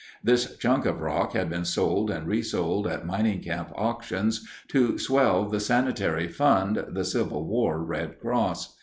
This chunk of rock had been sold and resold at mining camp auctions to swell the Sanitary Fund, the Civil War "Red Cross."